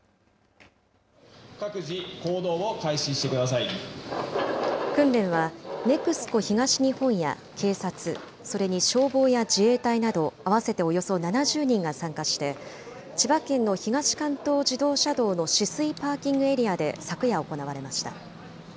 各自、訓練は、ＮＥＸＣＯ東日本や警察、それに消防や自衛隊など、合わせておよそ７０人が参加して、千葉県の東関東自動車道の酒々井パーキングエリアで昨夜、行われました。